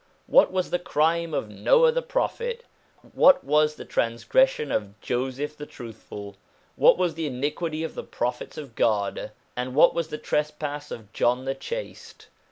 What was the crime of Noah the Prophet ? What was the transgression of Joseph the Truthful ? What was the iniquity of the Prophets of God, and what was the trespass of John the Chaste